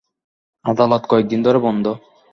আদালত কয়েকদিন ধরে বন্ধ।